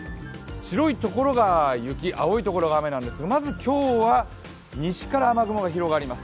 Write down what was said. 白いところが雪、青いところが雨なんですが、まず今日は西から雨雲が広がります。